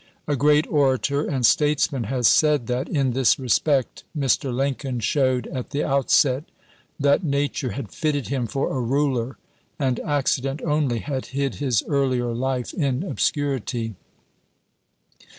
A great orator and statesman has said that in this respect Mr. Lincoln showed at the outset that nature had fitted him for a ruler, and accident only had hid his earlier life in obscurity.